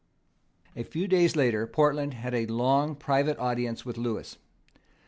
A few days later Portland had a long private audience of Lewis.